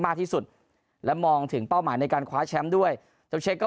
มากที่สุดและมองถึงเป้าหมายในการคว้าแชมป์ด้วยเจ้าเช็คก็